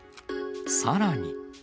さらに。